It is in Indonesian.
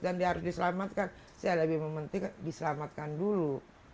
dan dia harus diselamatkan saya lebih mementingkan diselamatkan dulu